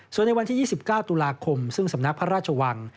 ส่วนในวันที่๒๙ตุลาคมซึ่งสำนักพระราชวัง